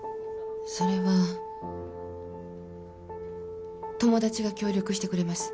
それは友達が協力してくれます。